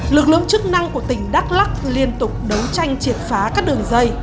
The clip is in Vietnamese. lực lượng chức năng của tỉnh đắk lắc liên tục đấu tranh triệt phá các đường dây